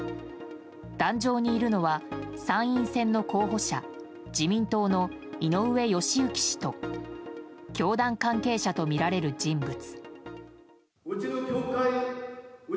壇上にいるのは、参院選の候補者自民党の井上義行氏と教団関係者とみられる人物。